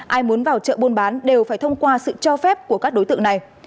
ai muốn vào chợ buôn bán đều phải thông qua sự cho phép của các đối tượng này